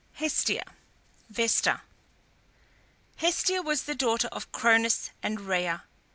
HESTIA (Vesta). Hestia was the daughter of Cronus and Rhea.